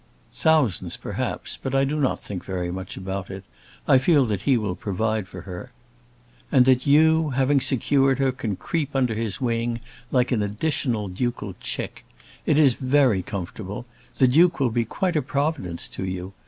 "Thousands perhaps, but I do not think very much about it. I feel that he will provide for her." "And that you, having secured her, can creep under his wing like an additional ducal chick. It is very comfortable. The Duke will be quite a Providence to you.